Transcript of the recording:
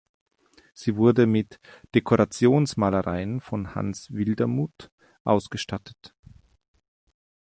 Sie wurde mit Dekorationsmalereien von Hans Wildermuth ausgestattet.